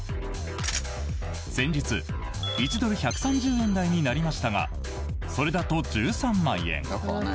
先日、１ドル＝１３０円台になりましたがそれだと１３万円。